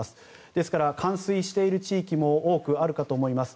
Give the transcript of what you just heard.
ですから、冠水している地域も多くあるかと思います。